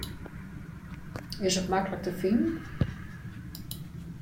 Is it maklik te finen?